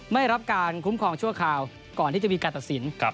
ไม่รับการคุ้มครองชั่วคราวก่อนที่จะมีการตัดสิน